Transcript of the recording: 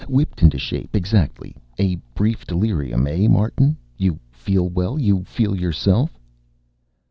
"Whipped into shape, exactly! A brief delirium, eh? Martin, you feel well? You feel yourself?"